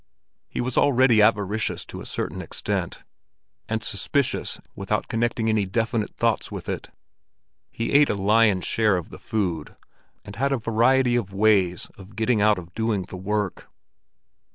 He was already avaricious to a certain extent, and suspicious without connecting any definite thoughts with it. He ate the lion's share of the food, and had a variety of ways of getting out of doing the work.